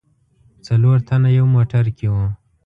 څلور تنه یو موټر کې و.